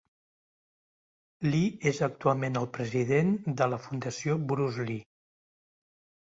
Lee és actualment el president de la Fundació Bruce Lee.